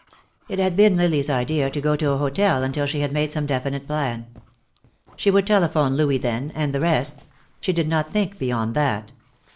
It had been Lily's idea to go to a hotel until she had made some definite plan. She would telephone Louis then, and the rest she did not think beyond that.